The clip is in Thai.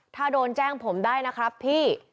ถ้าโดนแจ้งผมได้นะครับพี่